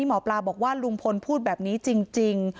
หมอปลาบอกว่าลุงพลพูดแบบนี้จริง